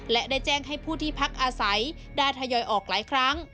และได้แจ้งให้ผู้ที่พักอาศัยได้ทยอยออกหลายครั้ง